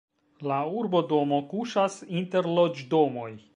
La urbodomo kuŝas inter loĝdomoj.